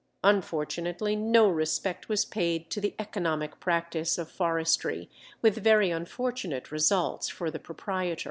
Unfortunately no respect was paid to the economic practice of forestry, with very unfortunate results for the proprietor.